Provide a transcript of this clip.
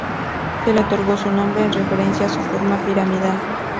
Se le otorgó su nombre en referencia a su forma piramidal.